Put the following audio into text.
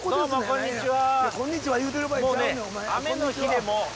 こんにちは。